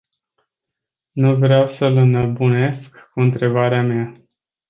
Nu vreau să-l înnebunesc cu întrebarea mea.